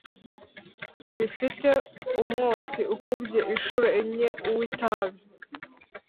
Bifite umwotsi ukubye incuro enye uw’ itabi